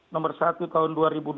nomor satu tahun dua ribu dua puluh